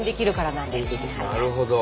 なるほど。